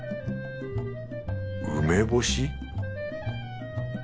梅干し？